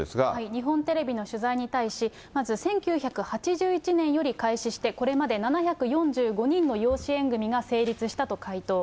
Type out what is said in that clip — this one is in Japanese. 日本テレビの取材に対し、まず１９８１年より開始して、これまで７４５人の養子縁組が成立したと回答。